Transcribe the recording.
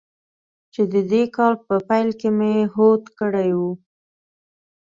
چې د دې کال په پیل کې مې هوډ کړی و.